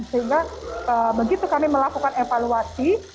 sehingga begitu kami melakukan evaluasi